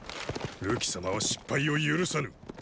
琉期様は失敗を許さぬ。